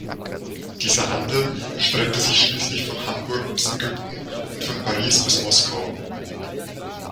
Dieser Handel streckte sich schließlich von Hamburg bis Ägypten und von Paris bis Moskau.